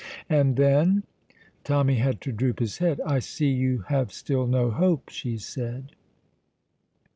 "And then?" Tommy had to droop his head. "I see you have still no hope!" she said.